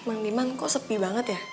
mang niman kok sepi banget ya